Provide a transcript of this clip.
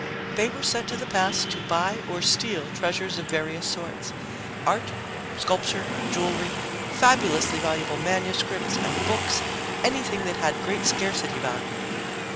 "They were sent to the past to buy or steal treasures of various sorts art, sculpture, jewelry, fabulously valuable manuscripts and books, anything that had great scarcity value."